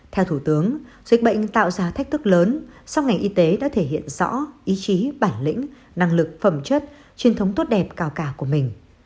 theo thủ tướng dịch bệnh tạo ra thách thức lớn song ngành y tế đã thể hiện rõ ý chí bản lĩnh năng lực phẩm chất truyền thống tốt đẹp cao cả của mình